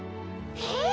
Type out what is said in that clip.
えっ！